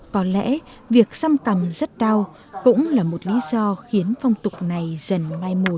có lẽ việc xăm cằm rất đau cũng là một lý do khiến phong tục này dần mai một